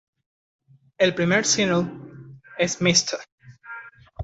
El primer single es "Mr.